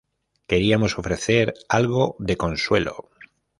Queríamos ofrecer algo de consuelo.